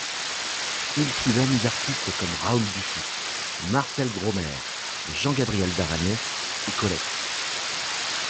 Il fut l'ami d'artistes comme Raoul Dufy, Marcel Gromaire, Jean-Gabriel Daragnès et Colette.